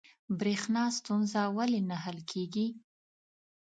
بریښنا ستونزه ولې نه حل کیږي؟